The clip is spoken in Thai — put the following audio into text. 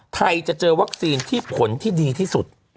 ไทยจะเจอวัคซีนที่ผลที่ดีที่สุด